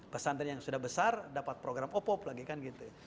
pesantren yang sudah besar dapat program opop lagi kan gitu